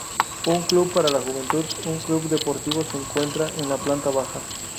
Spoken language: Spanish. Un club para la juventud, un club deportivo se encuentran en la planta baja.